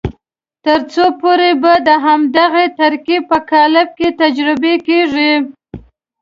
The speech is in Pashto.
تر څو پورې به د همدغه ترکیب په قالب کې تجربې کېږي.